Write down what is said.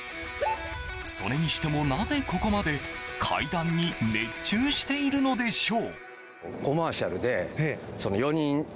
それにしても、なぜここまで階段に熱中しているのでしょう？